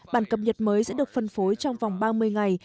bản cập nhật mới sẽ được phân phối trong vòng ba mươi ngày